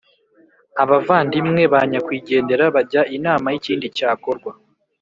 abavandimwe ba nyakwigendera bajya inama y’ikindi cyakorwa.